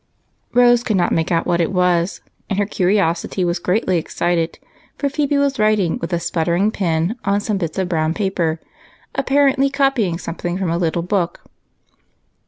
Rose could not make out what it was, and her curiosity was greatly excited, for Phebe was writing with a sputtering pen on some bits of brown paper, apparently copying something from a little book.